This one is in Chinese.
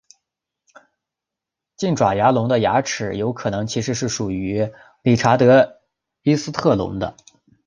近爪牙龙的牙齿有可能其实是属于理查德伊斯特斯龙的。